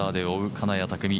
金谷拓実。